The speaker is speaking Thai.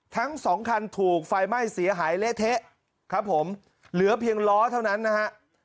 ทั้งสองคันถูกไฟไหม้เสียหายเละเทะครับผมเหลือเพียงล้อเท่านั้นนะฮะ